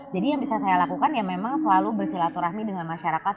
jadi yang bisa saya lakukan ya memang selalu bersilaturahmi dengan masyarakat